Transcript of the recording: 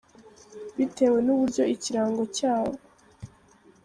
bitewe n’uburyo ikirango cyabo.